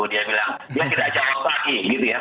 dia bilang dia tidak jawab lagi